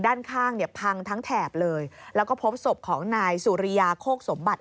ด้านข้างเนี่ยพังทั้งแถบเลยแล้วก็พบศพของนายสุริยาโคกสมบัติ